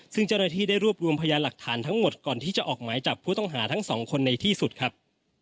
ซึ่งเจ้าหน้าที่ได้รวบรวมพยานหลักฐานทั้งหมดก่อนที่จะออกหมายจับผู้ต้องหาทั้งสองคนในที่สุดครับ